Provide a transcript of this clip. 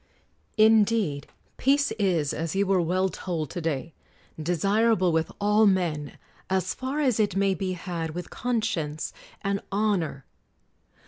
Indeed, peace is, as you were well told to day, desirable with all men, as far as it may be had with conscience and honor!